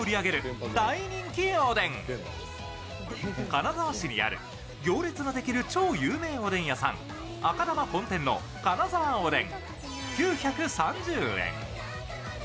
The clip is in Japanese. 金沢市にある行列ができる超有名おでん屋さん、赤玉本店の金澤おでん、９３０円。